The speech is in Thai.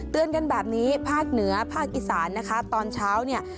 กันแบบนี้ภาคเหนือภาคอีสานนะคะตอนเช้าเนี่ย